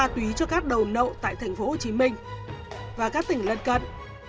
tại tp hcm và các tỉnh lân cận